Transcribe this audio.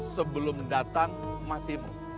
sebelum datang matimu